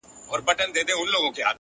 خداى دي ساته له بــېـلــتــــونـــــه،